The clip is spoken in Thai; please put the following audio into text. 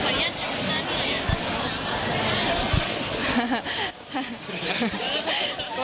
ขออนุญาตให้คุณน้อยอยากจะสนับสนุน